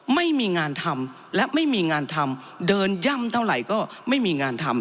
ไม่มีงานทำและไม่มีงานทำเดินย่ำเท่าไหร่ก็ไม่มีงานทำ